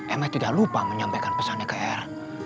ms tidak lupa menyampaikan pesannya ke r